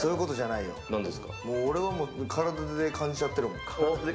俺はもう体で感じちゃってるもん。